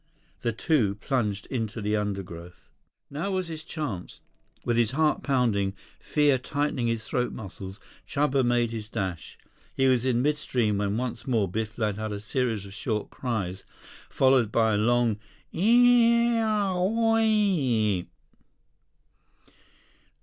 The two plunged into the undergrowth. Now was his chance. With his heart pounding, fear tightening his throat muscles, Chuba made his dash. He was in mid stream when once more Biff let out a series of short cries, followed by a long "Eeeee owieeee!"